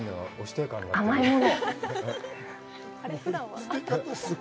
甘いものを。